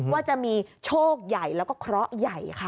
ว่าจะมีโชคใหญ่แล้วก็เคราะห์ใหญ่ค่ะ